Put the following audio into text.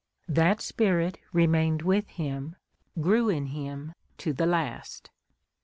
That spirit ' remained with him, grew in him, to the last.